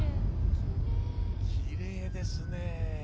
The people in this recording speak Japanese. きれいですね。